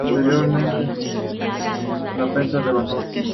Posteriormente, la pena se rebajó, y finalmente Gamarra obtuvo su libertad.